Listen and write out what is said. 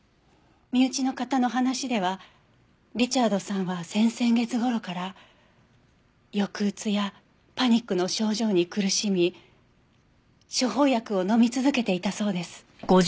身内の方の話ではリチャードさんは先々月頃から抑うつやパニックの症状に苦しみ処方薬を飲み続けていたそうです。